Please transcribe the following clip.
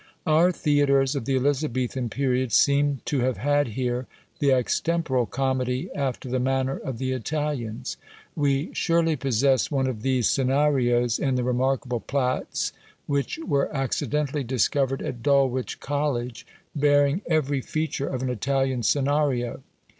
Our theatres of the Elizabethan period seem to have had here the extemporal comedy after the manner of the Italians; we surely possess one of these Scenarios, in the remarkable "Platts," which were accidentally discovered at Dulwich College, bearing every feature of an Italian Scenario.